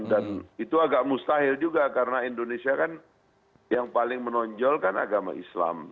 dan itu agak mustahil juga karena indonesia kan yang paling menonjolkan agama islam